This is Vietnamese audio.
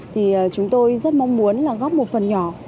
thì chúng tôi rất mong muốn là góp một phần nhỏ